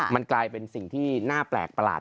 มันกลายเป็นสิ่งที่น่าแปลกประหลาด